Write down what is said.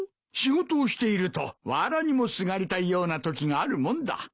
仕事をしているとわらにもすがりたいようなときがあるもんだ。